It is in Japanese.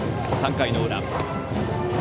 ３回の裏。